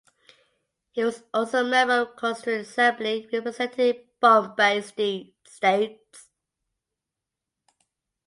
He was also member of constituent assembly representing Bombay States.